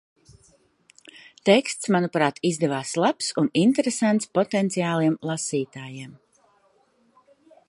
Teksts manuprāt izdevās labs un interesants potenciāliem lasītājiem.